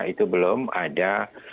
itu belum ada